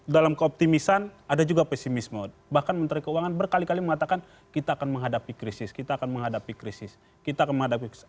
dalam keoptimisan ada juga pesimisme bahkan menteri keuangan berkali kali mengatakan kita akan menghadapi krisis kita akan menghadapi krisis kita akan menghadapi krisis